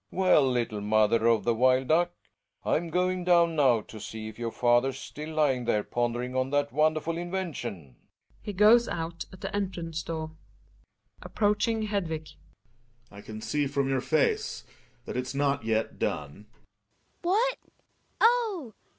Well, little mot her of the wild duck. I'm going down now to see if our father's still tying there pon dering on that wonderful invention. He goes out at the entrance door. THE WILD DUCK. 123 GuEGERs (approaching HEDvia). I can see from your face that it's uot yet done. HzDviG. What? Oh!